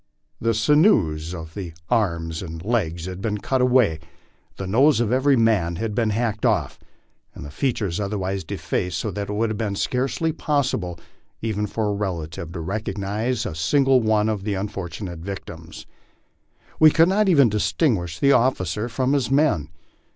The sinews of the arms and legs had been cut away, the nose of every man hacked oft', and the features otherwise defaced so that it would have been scarcely possible for even a rel ative to recognize a single one of the unfortunate victims. We could not even distinguish the officer from his men.